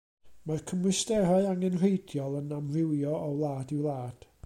Mae'r cymwysterau angenrheidiol yn amrywio o wlad i wlad.